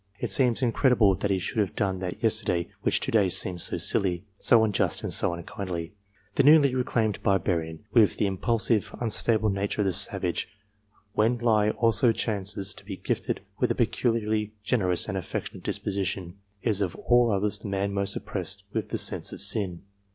It seems incredible that he should have done that yester day which to day seems so silly, so unjust, and so unkindly. The newly reclaimed barbarian, with the impulsive, unstable nature of the savage, when he also chances to be gifted with a peculiarly generous and affectionate dis position, is of all others the man most oppressed with the sense of sin.